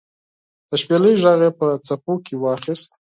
د شپیلۍ ږغ یې په څپو کې واخیست